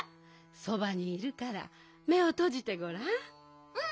そばにいるからめをとじてごらん。